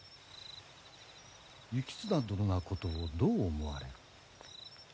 行綱殿がことをどう思われる？